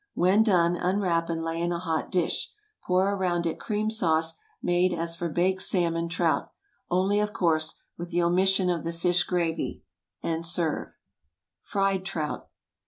When done, unwrap and lay in a hot dish. Pour around it cream sauce made as for baked salmon trout—only, of course, with the omission of the fish gravy—and serve. FRIED TROUT.